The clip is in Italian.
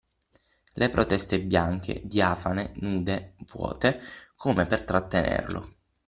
Le protese bianche, diafane, nude – vuote – come per trattenerlo.